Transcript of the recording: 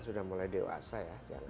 sudah mulai dewasa ya